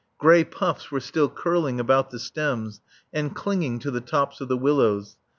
Grey puffs were still curling about the stems and clinging to the tops of the willows.